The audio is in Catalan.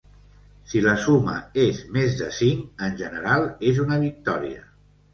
Si la suma és més de cinc, en general és una victòria.